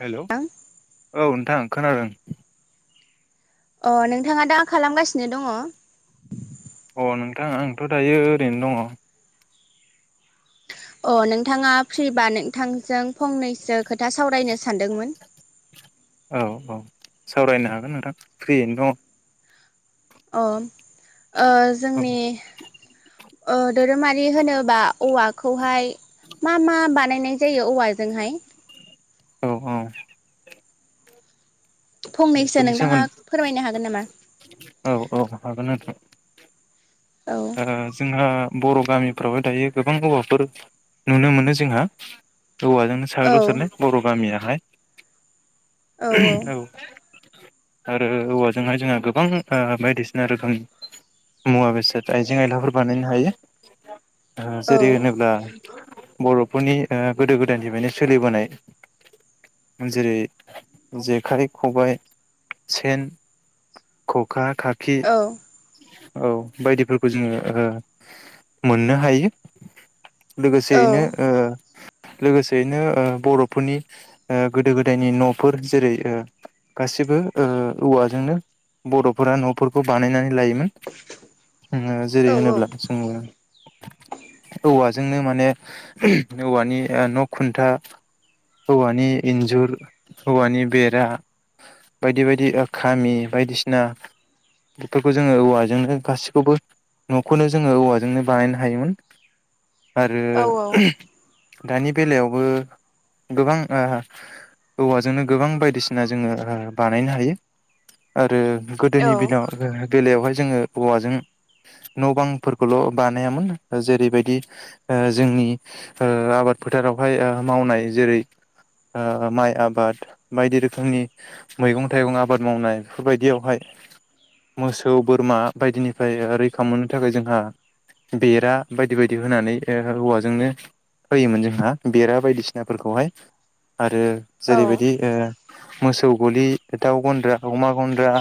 Hello अ औ न थां खोनादों अ नोंथांङा दा खालामगासिनो दंङ? अह नोंथां आंथ' दायो ओरैनो दंङ। अ नोंथांङा फ्रिबा नोंथांजों फंनैसो खोथा सावरायनो सानदोंमोन। औ औ सावरायनो हागोन नोंथां फ्रियैनो दंङ। अम ओ दङ जोंनि ओ धोरोमारि होनोबा औवाखौहाय मा मा बानाय नाय जयु औवा जोंहाय औऔ फंनैसो बेफोरनि नोंथांङा सोमोन्दै फोरमायनो हागोन नामा? औ औ हागोन नोंथां औ ओ जोंहा बर' गामिफ्राव दायो गोबां औवाफोर नुनो मोनो जोंहा औवा जोंनो औ साग्लोब सारनाय बर' गामिया हाय औ आरो औवाजोंहाय जोंहा गोबां बायदिसिना रोखोमनि मुवा बेसाद आइजें आयलाफोर बानायनो हायो ओ औ जेरै होनोब्ला बर'फोरनि गोदो गोदायनिफ्रायनो सोलिबोनाय जेरै जेखाइ खबाइ सेन खखा खाखि औ औ बायदि खौ जोङो मोननो हायो औ लोगोसेयैनो लोगोसेयैनो ओ बर'फोरनि ओ गोदो गोदायनि न'फोर जेरै ओ गासिबो ओ औवाजोंनो बर'फोरा न'फोरखौ बानायनानै लायोमोन औ जेरै होनोब्ला सों औ आरो जोंनो माने औवानि न' खुन्था औवानि इन्जुर औवानि बेरा बायदि बायदि खामि बायदिसिना बेफोरखौ जोंङो औवाजोंनो गासि बेखौबो न'खौनो जोङो औवाजोंनो बानायनो हायोमोन आरो औ दानि बेलायावबो गोबां ओ औवाजोंनो गोबां बायदिसिना जोङो बानायनो हायो आरो औ गोदोनि दिनाव बेलायावहाय जोङो औवाजों न' बांफोरखौल' बानायामोन जेरैबायदि ओ जोंनि आबाद फोथारावहाय ओ मावनाय जेरै ओ माइ आबाद बायदि रोखोमनि मैगं थाइगं आबाद मावनाय बेफोरबायदियावहाय मोसौ बोरमा बायदिनि फ्राय रैखा मोननो थाखाय जोंहा बेरा बायदि बायदि होनानै हौवाजोंनो होयोमोन जोंहा बेरा बायदिसिनाफोरखौहाय आरो जेरैबायदि ओ मोसौ गलि दाउ गन्द्रा अमा गन्द्रा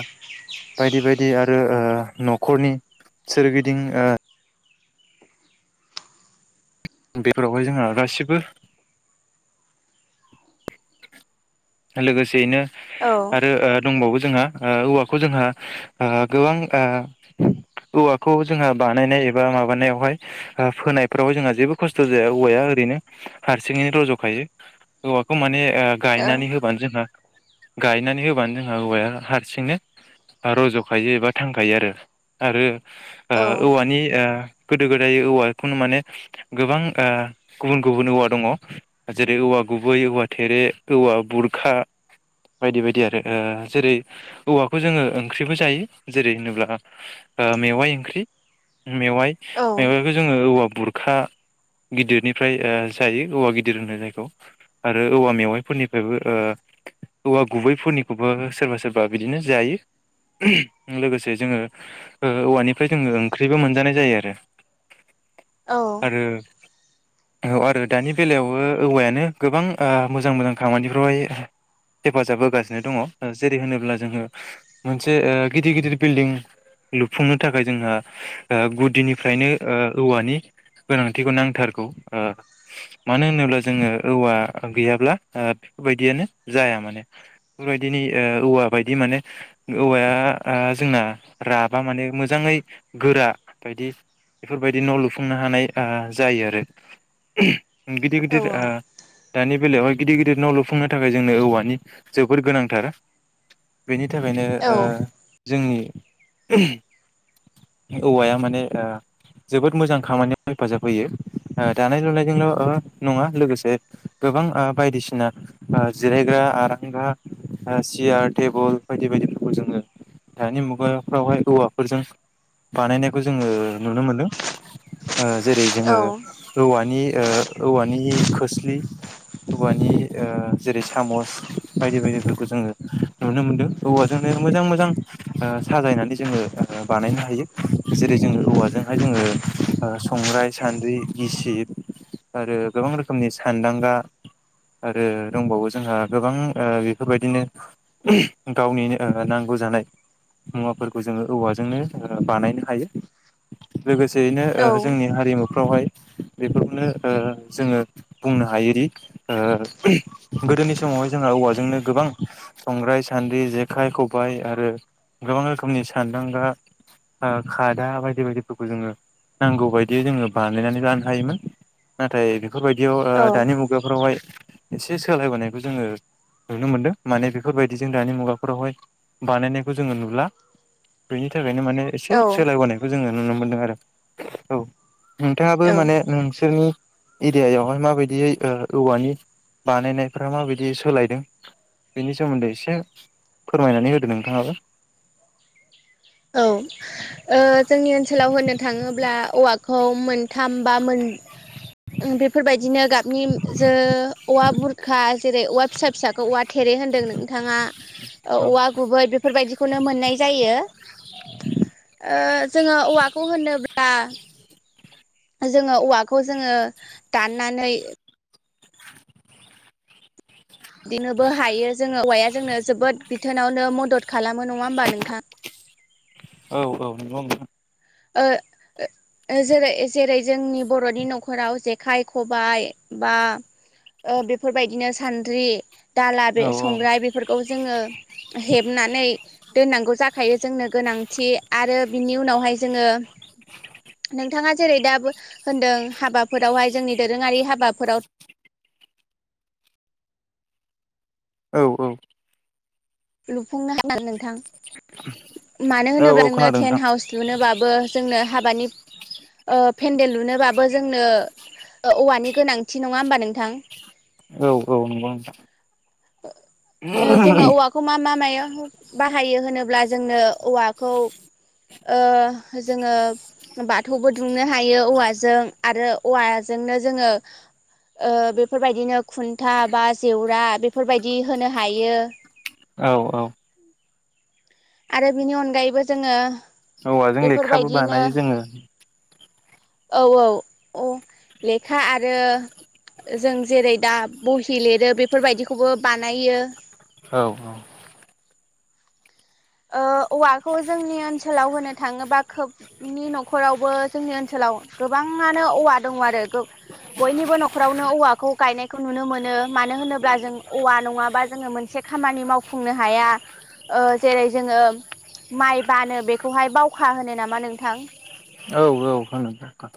बायदि -बायदि बिदि आरो ओ न' खरनि सोरगिदिं बेफोरावहाय जोंहा गासिबो लोगोसेयैनो औ आरो ओ दंबावो जोंहा ओ औवाखौ जोंहा आ गोबां आ औवाखौ जोंहा बानायनाय एबा माबानायावहाय आ फोनायफ्रावहाय जोंहा जेबो खस्थ' जाया औवाया ओरैनो हारसिङैनो रज'खायो औवाखौ माने ओ गायनानै हो गायनानै होबानो जोंहा हौवाया हारसिंनो रज'खायो एबा थांखायो आरो आरो ओ औवानि ओ गोदो गोदाय औवा खुनु माने गोबां गुबुन-गुबुन औवा दङ जेरै औवा गुबै, औवा थेरे, औवा बुर खा बायदि बायदि आरो जेरै औवाखौ जोङो ओंख्रिबो जायो जेरै होनोब्ला मेवाइ ओंख्रि मेवाइ, मेवाइखौ जोङो औवा बुरखा गिदिरनिफ्राय ओ जायो औवा गिदिर होनो जायखौ आरो औवा मेवाइफोरनिफ्रायबो ओ औवा गुबैफोरनिखौबो सोरबा-सोरबा बिदिनो जायो लोगोसे जोङो ओ औवानिफ्राय जोङो ओंख्रिबो मोनजानाय जायो औ आरो आरो औ आरो दानि बेलायावबो औवायानो गोबां ओ मोजां मोजां खामानि फ्रय हेफाजाब होगासिनो दङ ओ जेरै होनोब्ला जोङो मोनसे ओ गिदिर गिदिर बिलदिं लुफुंनो थाखाय जोंहा ओ गुदिनिफ्रायनो ओ औवानि गोनांथिखौ नांथारगौ। ओ मानो होनोब्ला जोङो औवा गैयाब्ला ओ बायदियानो जाया माने। बेफोरबायदिनो औवाबायदि माने औवाया ओ जोंना राबा माने मोजाङै गोरा बायदि बेफोरबायदि न' लुफुंनो हानाय आ जायो आरो। गिदिर गिदिर ओ दानि बेलायावहाय गदिर गदिर न' लु सुफुंनो थाखाय जोंनो औवानि जोबोर गोनांथार। बेनि थाखायनो ओ जोंनि औवाया माने ओ जोबोद मोजां खामानियाव हेफाजाब होयो, ओ दानाय लुनायजोंल' ओ नङा लोगोसे गोबां ओ बायदिसिना ओ जिरायग्रा आरांग्रा, सियार, टेबोल, बायदि बायदिफोरखौ जोङो दानि मुगाफ्रावहाय औवाफोरजों बानायनायखौ जोङो नुनो मोनदों। ओ जेरै जोङो औवानि ओ औवा नि खोस्लि औवानि ओ जेरै सामस, बायदि बायदिफोरखौ जोङो नुनो मोनदों। औवाजोंनो मोजां मोजां ओ साजायनानै जोङो ओ बानायनो हायो। जेरै जोङो औवाजोंहाय जोङो संग्राय, सान्द्रि, गिसिब, आरो गोबां रोखोमनि सान्दांगा आरो दंबावो जोंहा गोबां ओ बेफोरबायदिनो गावनिनो ओ नांगौ जानाय मुवाफोरखौ जोङो औवाजोंनो ओ बानायनो हायो लोगोसे बेनो ओ जोंनि हारिमुफ्रावहाय बेफोरखौनो ओ जोङो बुंनो हायोदि ओ गोदोनि समावहाय जोंङो औवाजोंनो गोबां संग्राय, सान्द्रि, जेखाइ, खबाय, आरो गोबां रोखोमनि सान्दांगा, ओ खादा, बायदि बायदिफोरखौ जोङो नांगौ बायदियै जोङो बानायनानै लानो हायोमोन। नाथाय बेफोरबायदियाव औ ओ दानि मुगाफोरावहाय एसे सोलायबोनायखौ जोङो नुनो मोनदों माने बेफोरबायदिजों दानि मुगाफोरावहाय बानायनायखौ जोङो नुला बेनि थाख खायनो माने एसे औ सोलायबोनायखौ जोङो नुनो मोनदों आरो औ नोंथाङाबो औ माने नोंसोरनि एरियायावहाय माबायदि ओ औवानि बानायनायफोरा माबायदि सोलायदों बेनि सोमोन्दै एसे फोरमायनानै होदों नोंथाङाबो। औ ओे जोंनि ओनसोलाव होननो थाङोब्ला औवाखौ मोनथाम बा मोन बेफोरबायदिनो गाबनि जो औवा बुरखा जेरै औवा फिसा फिसाखौ औवा थेरे होनदों नोंथाङा औ औवा गुबै बेफोरबायदिखौनो मोननाय जायो। ओ जोङो औवाखौ होनोब्ला जोङो औवाखौ जोङो दाननानै बिदिनोबो हायो जोङो औवाया जोंनो जोबोद बिथोनावनो मदद खालामो नङा होमबा नोंथां? औ औ नोंगौ नोंथां। ओ ओ ओ जेरै-जेरै जोंनि बर'नि न'खराव जेखाइ खबाय बा बेफोरबायदिनो सान्द्रि दाला बे औ औ। संग्राय बेफोरखौ जोङो हेबनानै दोननांगौ जाखायो जोंनो गोनांथि आरो बिनि उनावहाय जोङो नोंथाङा जेरै दा बो होनदों हाबाफोरावहाय जोंनि दोरोङारि हाबाफोराव औ औ। लुफुंनो हागोन नोंथां। मानो औ औ होनोब्ला जोंनो खोनादों नोंथां। टेन्ट हाउस लुनोबाबो जोंनो हाबानि पेन्देल लुनोबाबो जोंनो औवानि गोनांथि नङा होमबा नोंथां औ औ नंगौ नोंथां जोंङो औवाखौ मा मा मायो? बाहायो होनोब्ला जोंनो औवाखौ ओ बाथौबो दुमनो हायो औवाजों आरो औवाजोंनो जोंङो बेफोरबायदिनो खुन्था बा जेवरा बेफोरबायदि होनो हायो। औ औ आरो बिनि अनगायैबो जोंङो औवाजों लेखाबो बानायो जोंङो औ औ अ लेखा आरो जों जेरै दा बहि लिरो बेफोरबायदिखौबो बानायो औ औ ओ औवाखौ जोंनि ओनसोलाव होनो थाङोबा खोबनि न'खरावबो जोंनि ओनसोलाव गोबाङानो औवा दङ आरो बयनिबो न'खरावनो औवाखौ गायनायखौ नुनो मोनो मानो होनोब्ला जों औवा नङाबा जोङो मोनसे खामानि मावफुंनो हाया। जेरै जोंङो माइ बानो बेखौहाय बावखा होनो नामा नोंथां? औ औ होनो नोंथां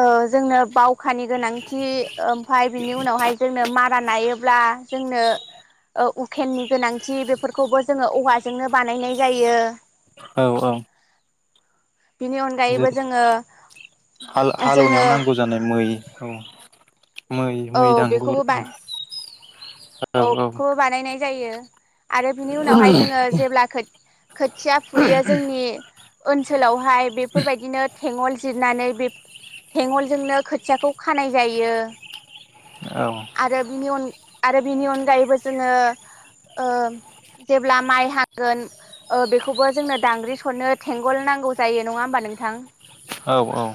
औ जोंनो बावखानि गोनांथि ओमफ्राय बिनि उनावहाय जोंनो मारा नायोब्ला जोंनो उखेननि गोनांथि बेफोरखौबो जोङो औवाजोंनो बानायनाय जायो। औ औ बिनि अनगायैबो जेरै जोंङो हाल हालौनायाव जोंङो नांगौ जानाय मै औ। मै मै दांगुर औ बेखौबो बानायनाय जायो आरो बिनि उनावहाय जोंङो जेब्ला खोथिया फुयो जोंनि ओनसोलावहाय बेफोरबायदिनो थेंगल जिरनानै बे थेंगलजोंनो खोथियाखौ खानाय जायो। औ आरो बिनि अन- आरो बिनि अनगायैबो जोंङो ओ जेब्ला माइ हागोन बेखौबो जोंनो दांग्रि सरनो थेंगल नांगौ जायो नङा होमबा नोंथां? औ-औ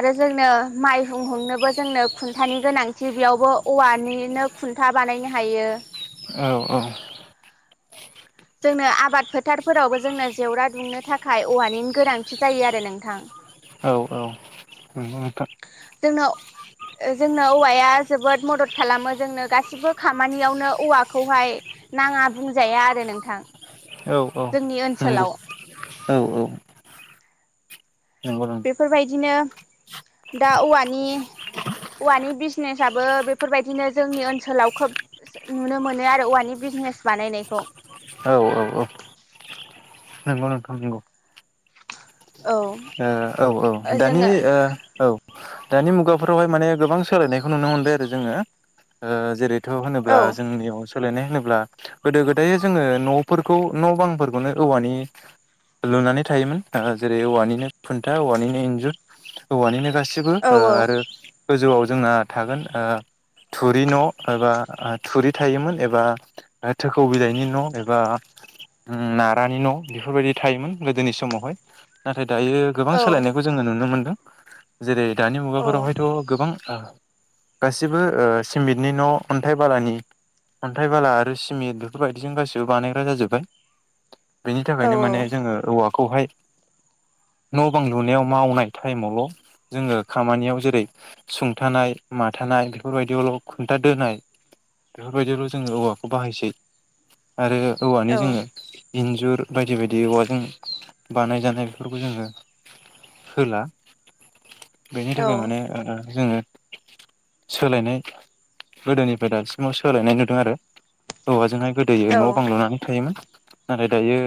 आरो जोंनो माइहुं हुंनोबो जोंनो खुन्थानि गोनांथि बेयावबो औवानिनो खुन्था बानायनो हायो। औ-औ जोंनो आबाद फोथारफोरावबो जोंनो जेवरा दुंनो थाखाय औवानि गोनांथि जायो आरो नोंथां। औ-औ जोंनो जोंनो औवाया जोबोद मदद खालामो जोंनो गासिबो खामानियावनो औवाखौहाय नाङा बुंजाया आरो नोंथां। औ औ जोंनि नंगौ ओनसोलाव औ औ नंगौ नंगौ बेफोरबायदिनो दा औवानि औवानि बिजिनेसआबो बेफोरबायदिनो जोंनि ओनसोलाव खोब नुनो मोनो आरो औवानि बिजिनेस बानायनायखौ। औ औ औ नंगौ नंगौ-नंगौ औ ओ औ औ दानि जोङो ओ औ दानि मुगाफोरावहाय माने गोबां सोलायनायखौ नुनो मोनबाय आरो जोङो ओ जेरै थ' औ होनोब्ला जोंनियाव सोलायनाय होनोब्ला गोदो-गोदाय जोङो न'फोरखौ न' बांफोरखौनो औवानि लुनानै थायोमोन जेरै औवानिनो खुन्था औवानिनो इन्जुर औवानिनो गासैबो औ गासिबो आरो गोजौआव जोंना थागोन थुरि न' एबा थुरि थायोमोन एबा थोखौ बिलाइनि न' एबा नारानि न' बेफोरबायदि थायोमोन गोदोनि समावहाय नाथाय दायो गोबां औ सोलायनायखौ जोङो नुनो मोन्दों जेरै दानि औ मुगाफोरावहायथ' गोबां गासिबो सिमेन्टनि न' अन्थाइ बालानि अन्थाइ बाला आरो सिमेन्ट बेफोरबायदिजों गासिबो बानायग्रा जाजोब्बाय बेनि औ थाखायनो माने जोङो औवाखौ खौहाय न' बां लुनायाव मावनाय टाइमावल' जोङो खामानियाव जेरै सुंथानाय माथानाय बेफोरबायदियावल' खुन्था दोनाय बेफोरबायदियावल' जोङो औवाखौ बाहायसै आरो औवानि जोङो औ इन्जुर बायदि बायदि औवाजों बानायजानाय बेफोरखौ जोङो होला बेनि थाखाय माने ओ जोङो सोलायनाय गोदोनिफ्राय दासिमाव सोलायनाय नुदों आरो औवाजोंहाय गोदो न' बां औ लुनानै थायोमोन नाथाय दायो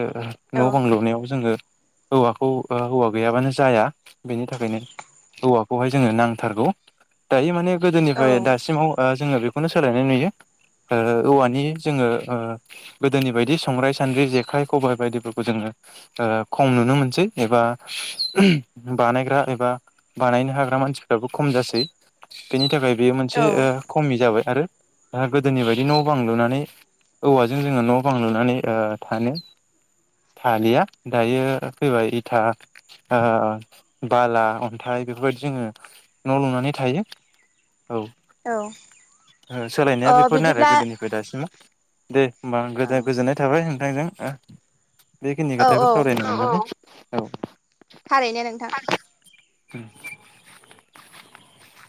न' बां लुनायाव जोङो औवाखौ औवा गैयाबानो जाया बेनि थाखायनो औवाखौहाय जोंनो नांथारगौ दायो माने औ गोदोनिफ्राय औ दासिमाव ओ जोङो बे बेखौनो सोलायनाय नुयो औवानि जोङो गोदोनि बायदि संग्राइ सान्द्रि जेखाय खबाइ बायदिफोरखौ जोङो खम नुनो मोनो मोनसै बानाय एबा बानायनो हाग्रा मानसिफ्राबो खम जासै बेनि थाखाय बेयो औ मोनसे खमि जाबाय आरो दा गोदोनि बायदि न' बां लुनानै औवाजों जोङो न' बां लुनानै थानो थालिया दायो फैबाय इथा ओ बाला अन्थाइ बेफोरबायदि जोङो न' लुनानै थायो औ औ सोलायनाया ओ बेफोरनो आरो बिदिब्ला गोदोनिफ्राय दासिम दे होमबा आं औ गोदा गोजोन्नाय थाबाय होन नाइजों ओ बेखिनि औ खोथाखौ सावरायनो मोननानै औ औ औ थारैनो नोंथां उम